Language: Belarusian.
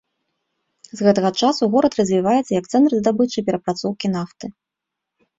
З гэтага часу горад развіваецца як цэнтр здабычы і перапрацоўкі нафты.